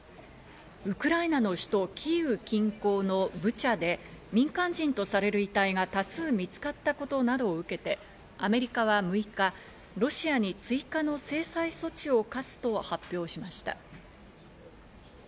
ウクライナの首都キーウ近郊のブチャで、民間人とされる遺体が多数見つかったことなどを受けてアメリカは６日、ロシアに追加の制裁措置を科すと発表しました。